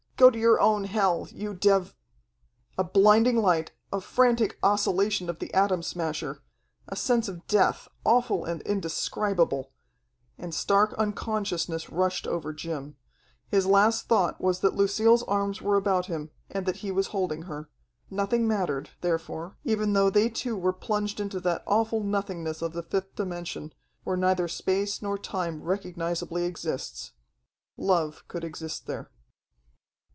"Go to your own hell, you dev " A blinding light, a frantic oscillation of the Atom Smasher, a sense of death, awful and indescribable and stark unconsciousness rushed over Jim. His last thought was that Lucille's arms were about him, and that he was holding her. Nothing mattered, therefore, even though they two were plunged into that awful nothingness of the fifth dimension, where neither space nor time recognizably exists. Love could exist there.